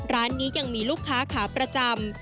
ร้านนี้ยังมีลูกค้าขาประจำ